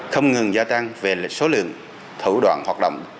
không ngừng gia tăng về số lượng thủ đoạn hoạt động